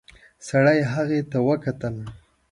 سړي هغې ته وکتل.